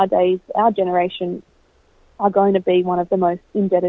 atau generasi yang paling berdosa